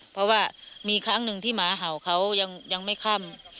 เพราะว่ามีครั้งหนึ่งที่หมาเห่าเขายังไม่ค่ำ